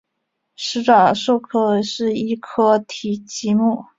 始爪兽科是一科奇蹄目。